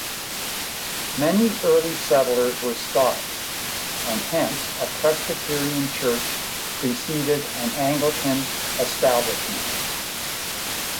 Many early settlers were Scots and hence a Presbyterian Church preceded an Anglican establishment.